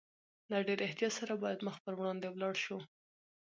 له ډېر احتیاط سره باید مخ پر وړاندې ولاړ شو.